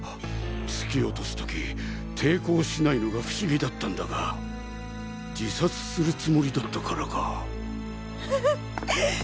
突き落とす時抵抗しないのが不思議だったんだが自殺するつもりだったからか。